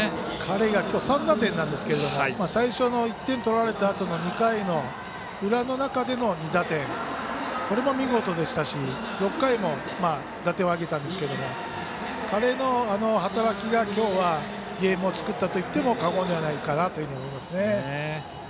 彼がきょう、３打点なんですけど最初の１点を取られたあとの２回の裏の中での２打点これも見事でしたし６回も打点を挙げたんですけど彼の働きがきょうはゲームを作ったといっても過言ではないかなというふうに思いますね。